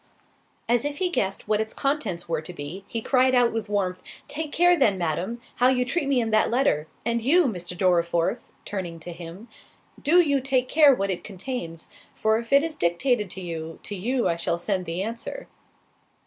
As if he guessed what its contents were to be, he cried out with warmth, "Take care, then, Madam, how you treat me in that letter—and you, Mr. Dorriforth," turning to him, "do you take care what it contains; for if it is dictated by you, to you I shall send the answer."